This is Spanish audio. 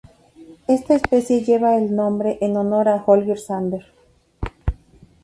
Esta especie lleva el nombre en honor a Holger Sander.